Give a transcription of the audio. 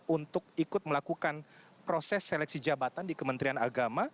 untuk ikut melakukan proses seleksi jabatan di kementerian agama